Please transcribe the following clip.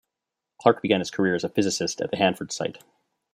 Clark began his career as a physicist at the Hanford Site.